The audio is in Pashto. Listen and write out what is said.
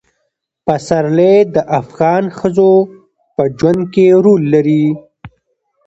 پسرلی د افغان ښځو په ژوند کې رول لري.